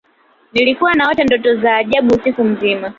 nilikuwa naota ndoto za ajabu usiku mzima